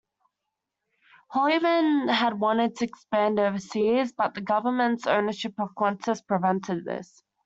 Holyman had wanted to expand overseas but the government's ownership of Qantas prevented this.